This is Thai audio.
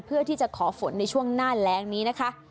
เพื่อที่จะขอฝนในช่วงหน้าแรงนี้นะคะ